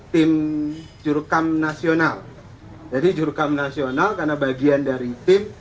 tim jurukam nasional jadi jurukam nasional karena bagian dari tim